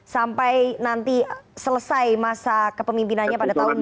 sampai nanti selesai masa kepemimpinannya pada tahun dua ribu dua puluh empat